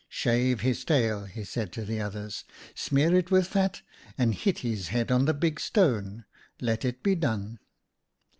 Shave his tail,' he said to the others, ' smear it with fat, and hit his head on the big stone. Let it be done.'